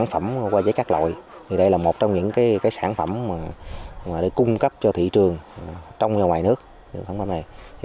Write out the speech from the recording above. hồ hời với nghề